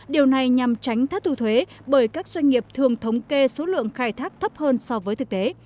điều này nhằm tránh thất thu thuế bởi các doanh nghiệp thường thống kê số lượng khai thác thấp hơn so với thực tế